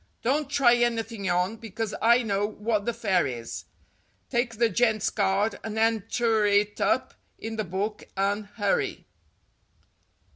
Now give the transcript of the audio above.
Don't try anything on, because I know what the fare is. Take the gent's card, and enter it up in the book, and hurry."